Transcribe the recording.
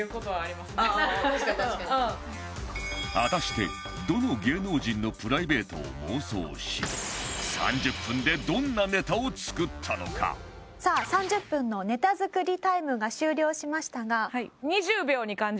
果たしてどの芸能人のプライベートを妄想し３０分のネタ作りタイムが終了しましたが。